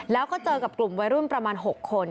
แล้วก็เจอกับกลุ่มวัยรุ่นประมาณ๖คน